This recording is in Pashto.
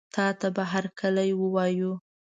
تاته به هرکلی ووایو.